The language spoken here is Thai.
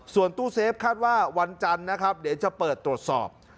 ส่วนตู้เซฟคาดว่าวันจันทร์นะครับเดี๋ยวจะเปิดตรวจสอบ